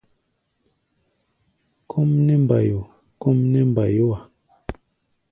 Kɔ́ʼm nɛ́ mbayo! kɔ́ʼm nɛ́ mbayó-a.